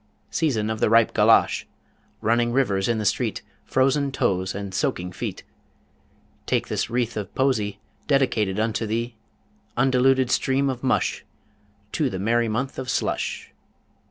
Season of the ripe golosh; Running rivers in the street, Frozen toes, and soaking feet; Take this wreath of Poesie Dedicated unto thee, Undiluted stream of mush To the Merry Month of Slush!